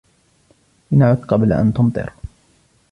لنعُد قبل أن تُمطر.